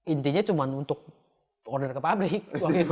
intinya cuma untuk order ke pabrik